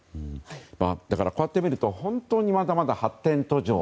だから、こうやって見ると本当にまだまだ発展途上。